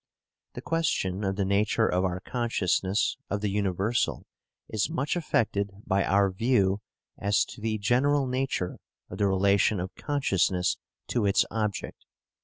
The question of the nature of our consciousness of the universal is much affected by our view as to the general nature of the relation of consciousness to its object.